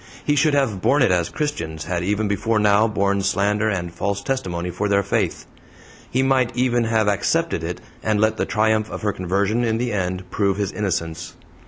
He should have borne it as Christians had even before now borne slander and false testimony for their faith! He might even have ACCEPTED it, and let the triumph of her conversion in the end prove his innocence.